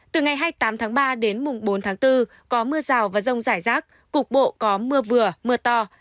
từ ngày hai mươi tám tháng ba đến mùng bốn tháng bốn có mưa rào và rông rải rác cục bộ có mưa vừa mưa to